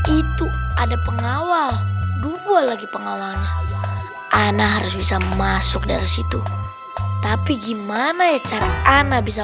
itu ada pengawal dua lagi pengawalan ana harus bisa masuk dari situ tapi gimana ya cara ana bisa